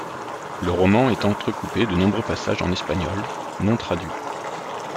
Le roman est entrecoupé de nombreux passages en espagnol, non traduits.